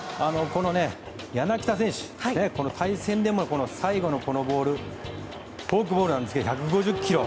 柳田選手、対戦でも最後のボールフォークボールなんですけど１５０キロ。